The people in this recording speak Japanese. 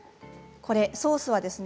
ソースはですね